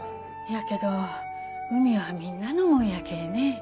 やけど海はみんなのもんやけぇね